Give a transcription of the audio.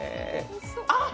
あっ！